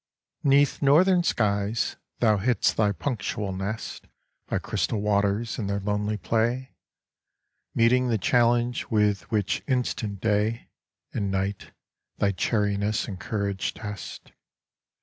'Neath northern skies thou hid'st thy punctual nest By crystal waters in their lonely play, Meeting the challenge with which instant day And night thy chariness and courage test.